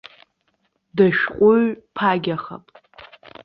Дышәҟәыҩҩ ԥагьахап.